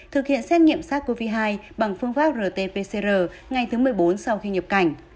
thực hiện xét nghiệm sars cov hai bằng phương pháp rt pcr ngày thứ một mươi bốn sau khi nhập cảnh